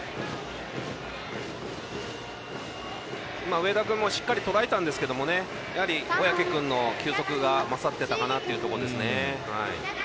上田君もしっかり、とらえたんですけどやはり小宅君の球速が勝っていたかなというところですね。